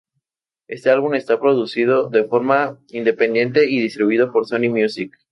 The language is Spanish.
Este álbum está producido de forma independiente y distribuido por Sony Music.